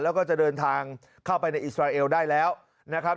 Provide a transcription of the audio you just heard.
แล้วก็จะเดินทางเข้าไปในอิสราเอลได้แล้วนะครับ